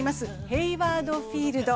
ヘイワード・フィールド。